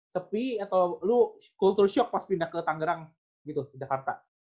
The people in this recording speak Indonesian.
sepi atau lu culture shock pas pindah ke tanggerang gitu di jakarta